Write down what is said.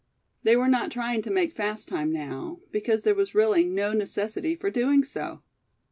They were not trying to make fast time now, because there was really no necessity for doing so.